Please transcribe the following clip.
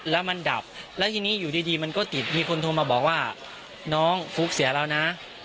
แล้วมันดับแล้วทีนี้อยู่ดีมันก็ติดมีคนโทรมาบอกว่าน้องฟุ๊กเสียแล้วนะ